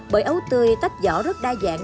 bởi ấu tươi tách giỏ rất đa dạng